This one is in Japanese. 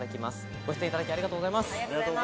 ご出演いただきありがとうございます。